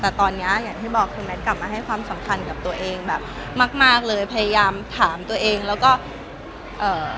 แต่ตอนเนี้ยอย่างที่บอกคือแมทกลับมาให้ความสำคัญกับตัวเองแบบมากมากเลยพยายามถามตัวเองแล้วก็เอ่อ